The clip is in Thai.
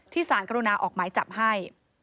ที่สารกระดุนาออกหมายจับให้